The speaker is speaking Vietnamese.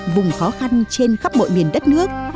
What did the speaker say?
vùng khó khăn trên khắp mọi miền đất nước